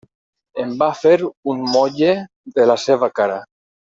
En va fer un motlle de la seva cara.